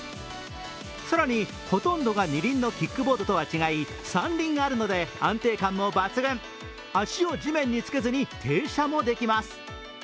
更にほとんどが二輪のキックボードとは違い三輪あるので安定感も抜群、足を地面につけずに停車もできます。